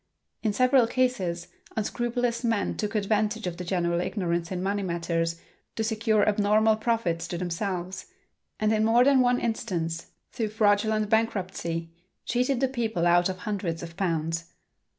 In several cases unscrupulous men took advantage of the general ignorance in money matters to secure abnormal profits to themselves, and in more than one instance, through fraudulent bankruptcy, cheated the people out of hundreds of pounds.